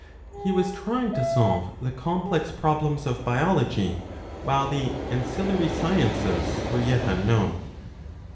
He was trying to solve the complex problems of biology, while the ancillary/ sciences were yet unknown.